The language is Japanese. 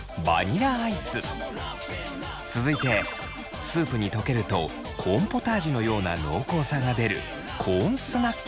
続いてスープに溶けるとコーンポタージュのような濃厚さが出るコーンスナック。